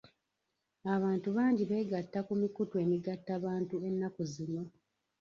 Abantu bangi beegatta ku mikutu emigattabantu ennaku zino.